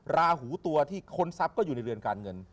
ราหูตัวที่ค้นทรัพย์ก็อยู่ในเรือนการเงิน